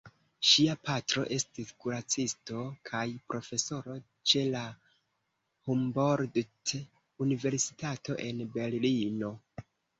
Ŝia patro estis kuracisto kaj profesoro ĉe la Humboldt-Universitato en Berlino.